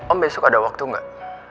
om besok ada waktu gak